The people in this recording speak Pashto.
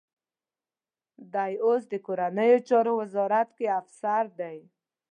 دی اوس د کورنیو چارو وزارت کې افسر دی.